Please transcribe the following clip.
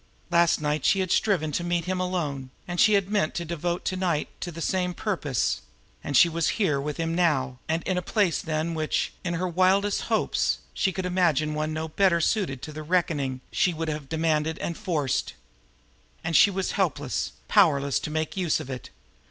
Last night she had striven to meet him alone, and she had meant to devote to night to the same purpose; and she was here with him now, and in a place than which, in her wildest hopes, she could have imagined one no better suited to the reckoning she would have demanded and forced. And she was helpless, powerless to make use of it.